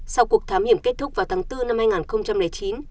sau cuộc thám hiểm kết thúc vào tháng bốn năm hai nghìn chín